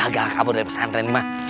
gak kabur dari pesantren ini ma